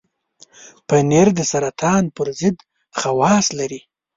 پنېر د سرطان پر ضد خواص لري.